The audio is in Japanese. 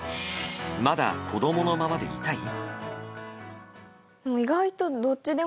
まだ子供のままでいたい？